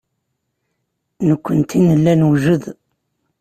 Nekkenti nella newjed.